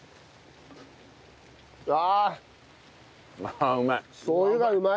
ああうまい。